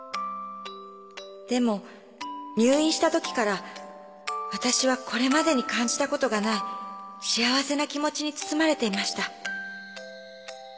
でも入院したときからわたしはこれまでに感じたことがない幸せな気持ちに包まれていました」